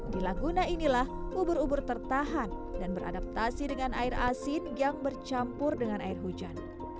di laguna inilah ubur ubur tertahan dan beradaptasi dengan air asin yang bercampur dengan air hujan